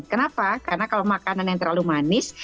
kenapa karena kalau makanan yang terlalu manis